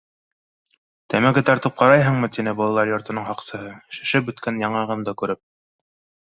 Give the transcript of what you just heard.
— Тәмәке тартып ҡарайһыңмы? — тине балалар йортоноң һаҡсыһы, шешеп бөткән яңағымды күреп.